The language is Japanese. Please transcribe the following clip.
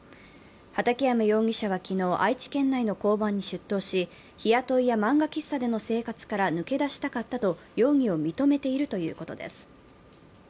畠山容疑者は昨日、愛知県内の交番に出頭し、日雇いや漫画喫茶での生活から抜け出したかったと容疑を認めているということです。